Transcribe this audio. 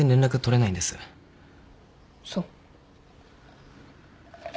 そう。